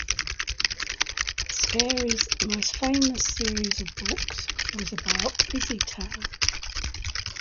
Scarry's most famous series of books was about Busytown.